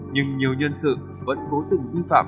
nhưng nhiều nhân sự vẫn cố tình vi phạm